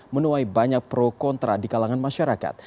menuai banyak pro kontra di kalangan masyarakat